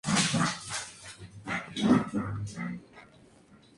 Muchos tienen orígenes persas, afganos, pakistaníes, malayos, y turcos.